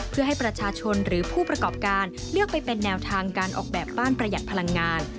เพื่อให้ประชาชนหรือผู้ประกอบการเลือกไปเป็นแนวทางการออกแบบบ้านประหยัดพลังงาน